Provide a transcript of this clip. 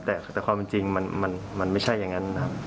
แต่ความจริงมันไม่ใช่อย่างนั้นนะครับ